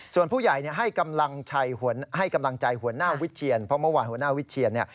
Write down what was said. ส่วนผู้ใหญ่ให้กำลังใจหัวหน้าวิทเชียน